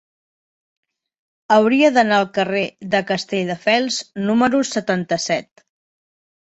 Hauria d'anar al carrer de Castelldefels número setanta-set.